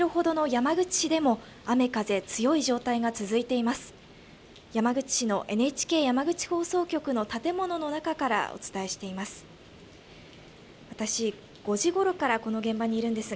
山口市のＮＨＫ山口放送局の建物の中からお伝えしています。